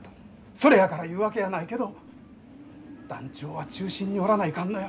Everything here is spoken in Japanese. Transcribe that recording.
それやから言うわけやないけど団長は中心におらないかんのや。